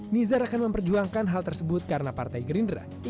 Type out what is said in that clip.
nizar akan memperjuangkan hal tersebut karena partainya tercecer di kecamatan depok